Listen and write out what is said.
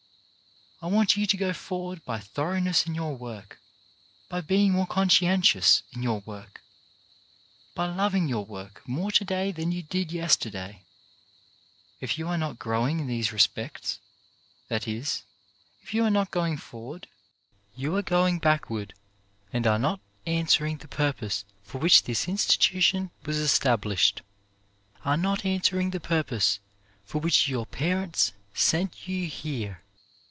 I want you to go forward by thoroughness in your work ; by being more conscientious in your work; by loving your work more to day than you did yesterday. If you are not growing in these respects — that is, if you are not going for ward — you are going backward, and are not an swering the purpose for which this institution 280 CHARACTER BUILDING was established, are not answering the purpose for which your parents sent you here.